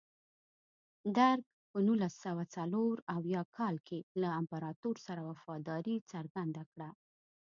درګ په نولس سوه څلور اویا کال کې له امپراتور سره وفاداري څرګنده کړه.